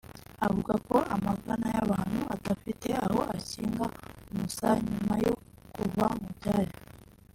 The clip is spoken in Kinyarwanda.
avuga ko amagana y’abantu adafite aho akinga umusaya nyuma yo kuva mu byabo